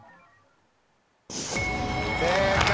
正解！